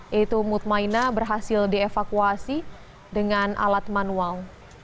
yaitu mutmaina berhasil dievakuasi dengan alat manual